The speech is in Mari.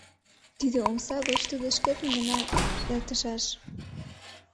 Тиде омса гоч тудо шкетын гына эртышаш.